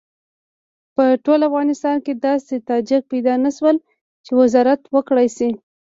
په ټول افغانستان کې داسې تاجک پیدا نه شو چې وزارت وکړای شي.